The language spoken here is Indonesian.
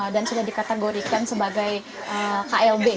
dan sudah dikategorikan sebagai klb